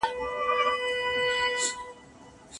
خو دعا تقدیر بدلولی شي.